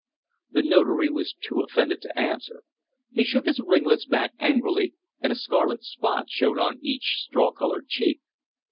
The Notary was too offended to answer. He shook his ringlets back angrily, and a scarlet spot showed on each straw coloured cheek.